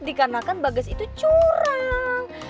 dikarenakan bagas itu curang